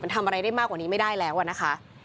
ทำอะไรได้มากกว่านี้ไม่ได้แล้วนะคะ